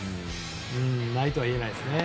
ないとは言えないですね。